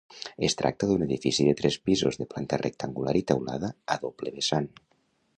Es tracta d'un edifici de tres pisos, de planta rectangular i teulada a doble vessant.